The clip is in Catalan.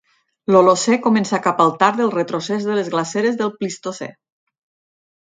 L'Holocè comença cap al tard del retrocés de les glaceres del Plistocè.